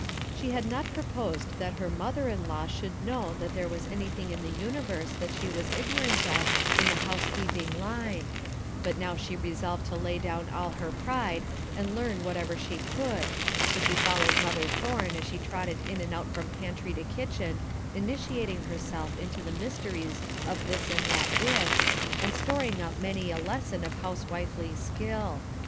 She had not proposed that her mother in law should know that there was anything in the universe that she was ignorant of in the housekeeping line, but now she resolved to lay down all her pride and learn whatever she could, so she followed mother Thorne as she trotted in and out from pantry to kitchen, initiating herself into the mysteries of this and that dish, and storing up many a lesson of housewifely skill.